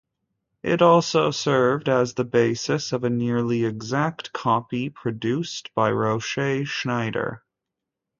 It also served as the basis of a nearly exact copy produced by Rochet-Schneider.